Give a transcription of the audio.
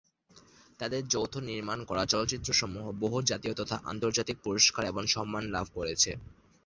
তাঁদের যৌথ নির্মাণ করা চলচ্চিত্রসমূহ বহু জাতীয় তথা আন্তর্জাতিক পুরস্কার এবং সম্মান লাভ করেছে।